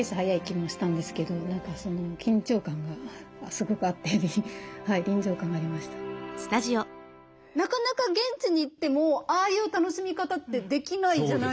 一緒に作っていくのでなかなか現地に行ってもああいう楽しみ方ってできないじゃないですか。